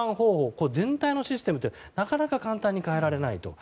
この全体のシステムはなかなか簡単に変えられないと。